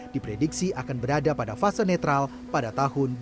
diprediksi akan berada pada fase netral pada tahun dua ribu dua puluh